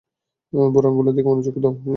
বুড়ো আঙুলে দিকে মনযোগ দাউ, মেয়ে।